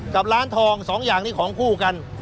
กับร้านทองสองอย่างนี้ของคู่กัน